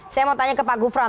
saya mau tanya ke pak gufron